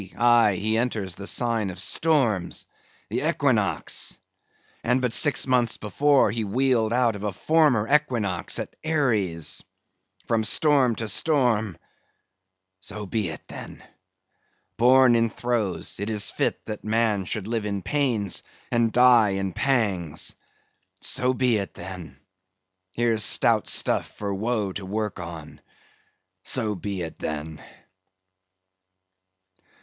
aye, he enters the sign of storms, the equinox! and but six months before he wheeled out of a former equinox at Aries! From storm to storm! So be it, then. Born in throes, 'tis fit that man should live in pains and die in pangs! So be it, then! Here's stout stuff for woe to work on. So be it, then."